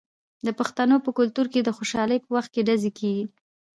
د پښتنو په کلتور کې د خوشحالۍ په وخت ډزې کیږي.